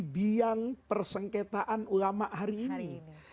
biang persengketaan ulama hari ini